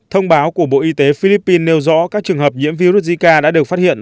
thông báo của bộ y tế philippines nêu rõ các trường hợp nhiễm virus zika đã được phát hiện